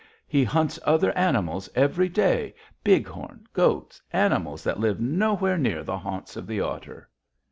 He hunts other animals every day, bighorn, goats, animals that live nowhere near the haunts of the otter.'